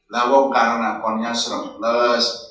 lawang karun akunnya seru plus